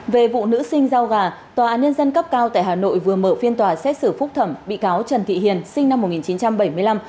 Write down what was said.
về vụ nữ sinh rau gà tòa án nhân dân cấp cao tại hà nội vừa mở phiên tòa xét xử phúc thẩm bị cáo trần thị hiền sinh năm một nghìn chín trăm bảy mươi năm